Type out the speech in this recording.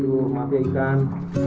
aduh mahke ikan